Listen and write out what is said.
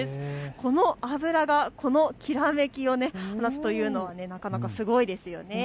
この油がこのきらめきを放つというのはなかなかすごいですよね。